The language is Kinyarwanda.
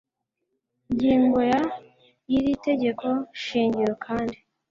ngingo ya y iri Tegeko Shingiro kandi